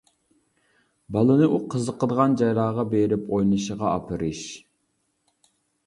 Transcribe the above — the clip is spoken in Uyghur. بالىنى ئۇ قىزىقىدىغان جايلارغا بېرىپ ئوينىشىغا ئاپىرىش.